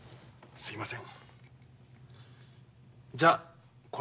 すいません。